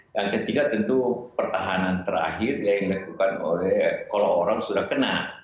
yang ketiga tentu pertahanan terakhir yang dilakukan oleh kalau orang sudah kena